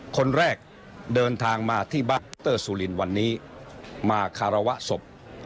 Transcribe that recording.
คนแรกเดินทางมาที่บ้านดรซูลินวันนี้มาคารวะศพ